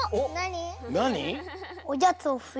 なに？